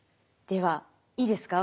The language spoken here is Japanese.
ではいいですか？